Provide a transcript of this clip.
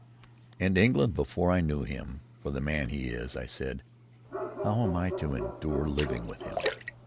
In England, before I knew him for the man he is, I said, "How am I to endure living with him?"